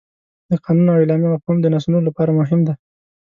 د قانون او اعلامیه مفهوم د نسلونو لپاره مهم دی.